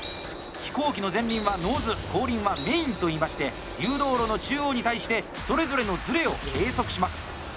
飛行機の前輪はノーズ後輪はメインといいまして誘導路の中央に対してそれぞれのズレを計測します。